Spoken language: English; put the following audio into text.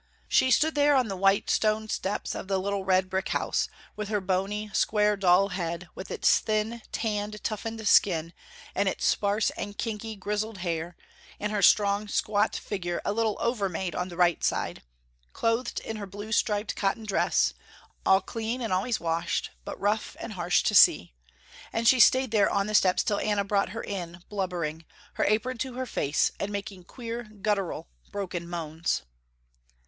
She stood there on the white stone steps of the little red brick house, with her bony, square dull head with its thin, tanned, toughened skin and its sparse and kinky grizzled hair, and her strong, squat figure a little overmade on the right side, clothed in her blue striped cotton dress, all clean and always washed but rough and harsh to see and she stayed there on the steps till Anna brought her in, blubbering, her apron to her face, and making queer guttural broken moans.